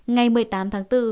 ngày một mươi tám tháng bốn